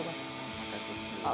makan kerupuk dulu